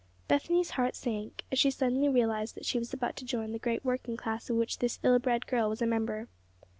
Bethany's heart sank as she suddenly realized that she was about to join the great working class of which this ill bred girl was a member.